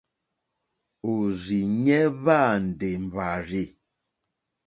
Òrzìɲɛ́ hwá àndè mbàrzì.